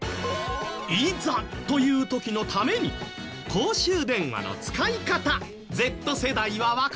いざという時のために公衆電話の使い方Ｚ世代はわかるのか？